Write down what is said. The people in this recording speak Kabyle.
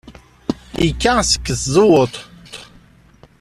Yekka seg tzewwut.